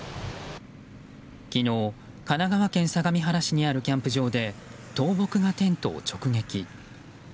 昨日、神奈川県相模原市にあるキャンプ場で倒木がテントを直撃。